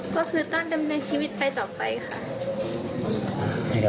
ก็คือต้องดำเนินชีวิตไปต่อไปค่ะ